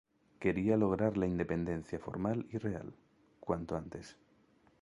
Quería lograr la Independencia formal y real, cuanto antes.